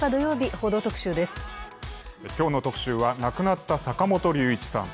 今日の特集は亡くなった坂本龍一さん。